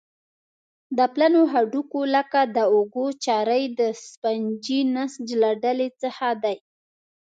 د پلنو هډوکو لکه د اوږو چارۍ د سفنجي نسج له ډلې څخه دي.